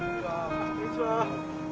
こんにちは。